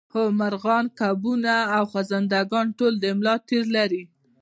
هو مارغان کبونه او خزنده ګان ټول د ملا تیر لري